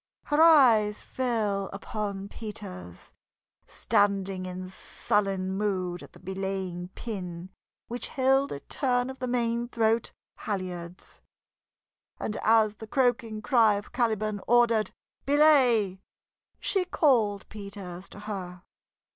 Her eyes fell upon Peters, standing in sullen mood at the belaying pin which held a turn of the main throat halyards. And as the croaking cry of Caliban ordered "Belay!" she called Peters to her.